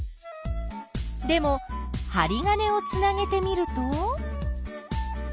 でもはり金をつなげてみると？